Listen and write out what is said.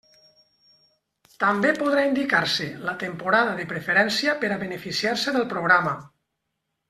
També podrà indicar-se la temporada de preferència per a beneficiar-se del programa.